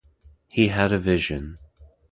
He had a vision.